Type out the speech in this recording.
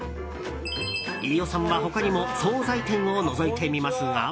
飯尾さんは他にも総菜店をのぞいてみますが。